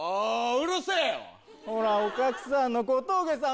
ほらお客さんの小峠さん